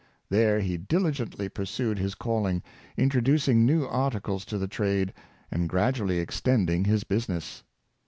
There he diligently pursued his calling, introducing new articles to the trade, and gradually extending his business.